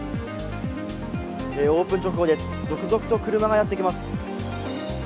オープン直後です、続々と車がやってきます。